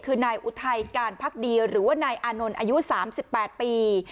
คือนายอุทัยการพักดีหรือว่านายอานนท์อายุ๓๘ปี